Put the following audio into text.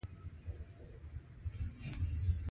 او له دریو زرو پوځیانو سره یې حرکت وکړ.